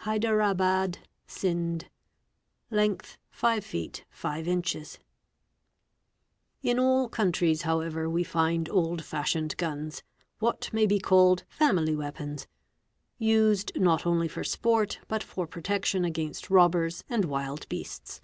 Haidarabad, Sind. Length, 5 ft.5im." | In all countries however we find old fashioned guns, what may be | called '' family weapons'', used not only for sport but for protection against robbers and wild beasts.